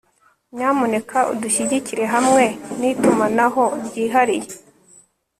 Nyamuneka udushyigikire hamwe nitumanaho ryihariye